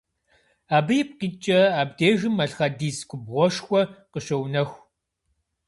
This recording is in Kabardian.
Абы ипкъ иткӏэ абдежым малъхъэдис губгъуэшхуэ къыщоунэху.